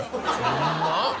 うんまっ。